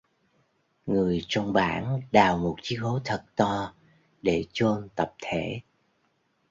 Người trong bản đào một chiếc hố thật to để chôn tập thể